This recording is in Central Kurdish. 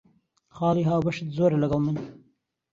خاڵی هاوبەشت زۆرە لەگەڵ من.